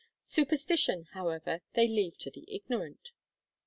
Superstition, however, they leave to the ignorant!